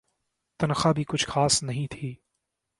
تنخواہ بھی کچھ خاص نہیں تھی ۔